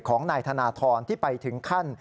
ของนายธนทรที่ไปถึงขั้น